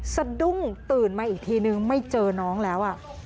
สะดุ้งตื่นมาอีกทีนึงไม่เจอน้องแล้ว